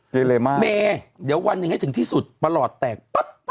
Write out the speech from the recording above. เกลยังไงเกลในแบบผม